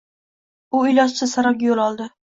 U, ilojsiz, saroyga yoʻl oldi